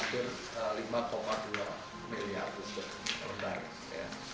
hampir lima dua miliar untuk lembaring